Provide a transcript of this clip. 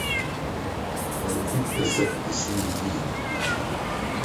Kwaku pɛ sɛ esi no yiye.